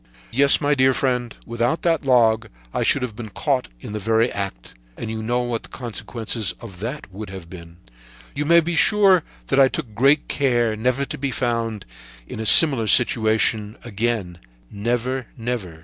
"Yes, my dear friend, without that log, I should have been caught in the very act, and you know what the consequences would have been! "You may be sure that I took good care never to be found in a similar situation again, never, never.